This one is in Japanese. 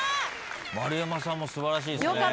丸山さんも素晴らしいっすね。